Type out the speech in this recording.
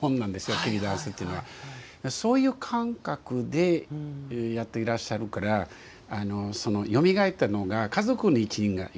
そういう感覚でやっていらっしゃるからよみがえったのが家族の一員がよみがえった。